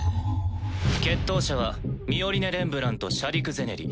決闘者はミオリネ・レンブランとシャディク・ゼネリ。